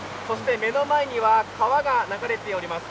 目の前には川が流れております。